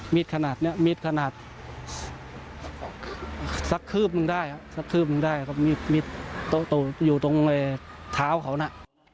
มีดขนาดนี้มีดขนาดสักขึ้นมันได้ครับมีดอยู่ตรงเท้าเขานะ